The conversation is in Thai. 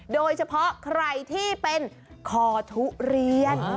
โดยเฉพาะใครที่เป็นคอทุเรียน